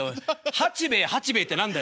八兵衛八兵衛って何だよ。